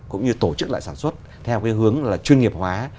cũng như tổ chức lại sản xuất theo hướng chuyên nghiệp hóa